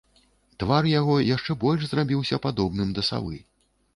Твар яго яшчэ больш зрабіўся падобным да савы.